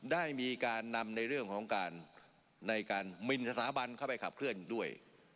ได้มีการนำในเรื่องของการในการมินสถาบันเข้าไปขับเคลื่อนด้วย